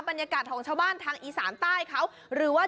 บรรยากาศของชาวบ้านทางอีสานใต้เขาหรือว่า